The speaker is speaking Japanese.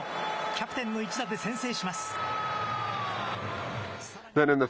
キャプテンの１打で先制します。